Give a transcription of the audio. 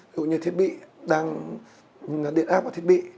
dù như thiết bị đang điện áp vào thiết bị